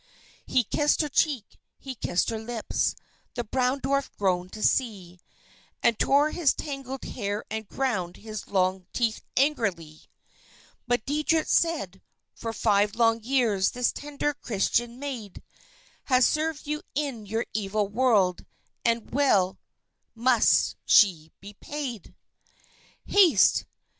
He kissed her cheek, he kissed her lips; the Brown Dwarf groaned to see, And tore his tangled hair and ground his long teeth angrily. But Deitrich said: "For five long years this tender Christian maid Has served you in your evil world, and well must she be paid! "Haste!